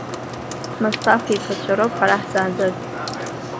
Мысҭаф иԥацәа роуп ҳара ҳзааӡаз.